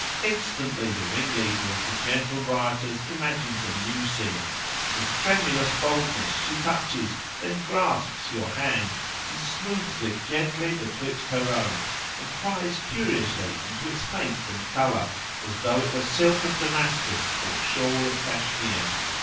Instantly the ringleader of the gentle rioters imagines a new sin; with tremulous boldness she touches, then grasps your hand, and smoothes it gently betwixt her own, and pries curiously into its make and colour, as though it were silk of Damascus, or shawl of Cashmere.